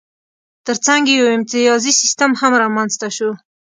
ترڅنګ یې یو امتیازي سیستم هم رامنځته شو